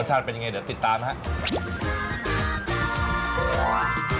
ชาติเป็นยังไงเดี๋ยวติดตามนะครับ